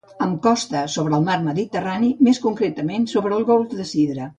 Amb costa sobre el Mar Mediterrani, més concretament sobre el Golf de Sidra.